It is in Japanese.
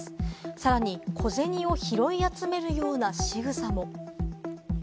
さらに小銭を拾い集めるようなしぐさも。